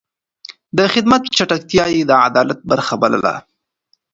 د خدمت چټکتيا يې د عدالت برخه بلله.